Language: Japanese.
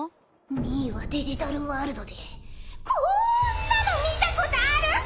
ミーはデジタルワールドでこーんなの見たことあるさ！